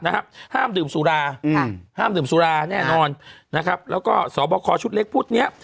ห้ามดื่มสุราอืมห้ามดื่มสุราแน่นอนนะครับแล้วก็สอบคอชุดเล็กพุธเนี้ย